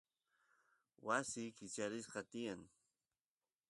wasi kicharispa tiyan